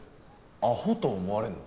アホと思われんの？